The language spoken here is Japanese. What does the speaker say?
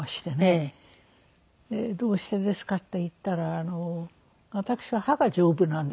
「えっどうしてですか？」って言ったら私は歯が丈夫なんです。